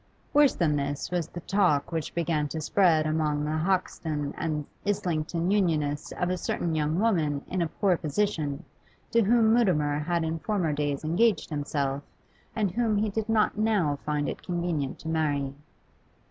Worse than this was the talk which began to spread among the Hoxton and Islington Unionists of a certain young woman in a poor position to whom Mutimer had in former days engaged himself, and whom he did not now find it convenient to marry.